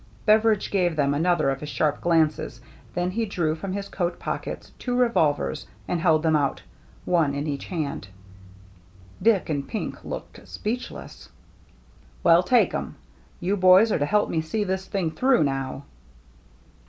Beveridge gave them another of his sharp glances, then he drew from his coat pockets two revolvers and held them out, one in each hand. Dick and Pink looked speechless. " Well, take 'em. You boys are to help me see this thing through, now."